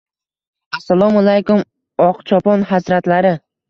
– Assalomalaykum, Oqchopon hazratlari!